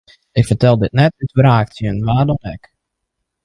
Ik fertel dit net út wraak tsjin wa dan ek.